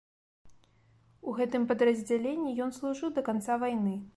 У гэтым падраздзяленні ён служыў да канца вайны.